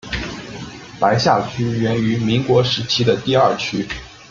白下区源于民国时期的第二区。